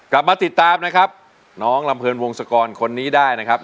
กลับมาติดตามนะครับน้องลำเนินวงศกรคนนี้ได้นะครับ